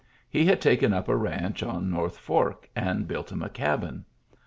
He had taken up a ranch on North Fork and built him a cabin.